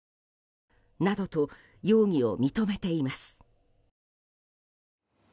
などと容疑を認めています。